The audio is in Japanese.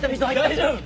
大丈夫？